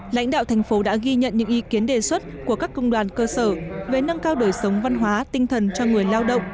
lãnh đạo thành phố đã ghi nhận những ý kiến đề xuất của các công đoàn cơ sở về nâng cao đời sống văn hóa tinh thần cho người lao động